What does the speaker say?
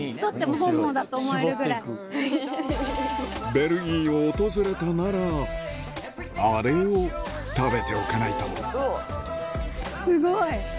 ベルギーを訪れたならあれを食べておかないとすごい！